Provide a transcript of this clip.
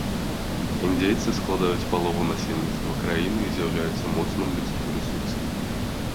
Індзейцы складаюць палову насельніцтва краіны і з'яўляюцца моцным людскім рэсурсам.